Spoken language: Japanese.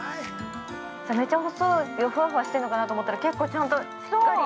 ◆めちゃほそで、ふわふわしてんのかなと思ったら結構ちゃんとしっかり。